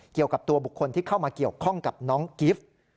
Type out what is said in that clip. เกี่ยวกับตัวบุคคลที่เข้ามาเกี่ยวข้องกับน้องกิฟต์